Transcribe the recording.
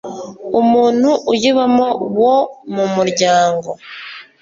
umuntu uyibamo wo mu muryango